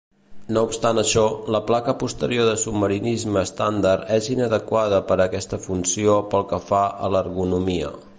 No obstant això, la placa posterior de submarinisme estàndard és inadequada per a aquesta funció pel que fa a l'ergonomia.